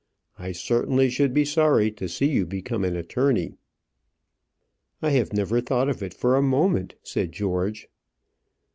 I certainly should be sorry to see you become an attorney." "I have never thought of it for a moment," said George.